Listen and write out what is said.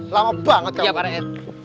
lama banget kamu